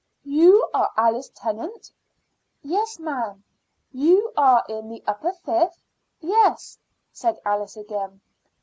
"You are Alice Tennant?" "Yes, madam." "You are in the upper fifth?" "Yes," said Alice again.